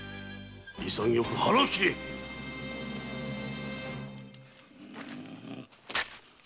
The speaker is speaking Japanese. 潔く腹を切れっ！